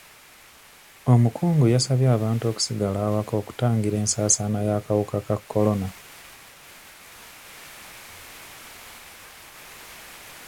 Omukungu yasabye abantu okusigala awaka okutangira ensaasaanya y'akawuka ka kolona.